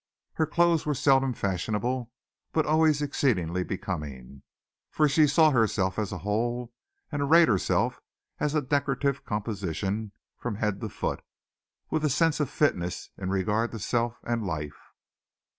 Her clothes were seldom fashionable but always exceedingly becoming, for she saw herself as a whole and arrayed herself as a decorative composition from head to foot, with a sense of fitness in regard to self and life.